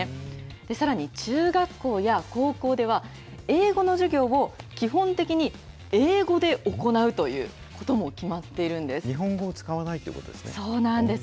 さらに、中学校や高校では、英語の授業を基本的に英語で行うとい日本語を使わないということそうなんです。